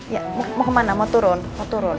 ya mau ke mana mau turun mau turun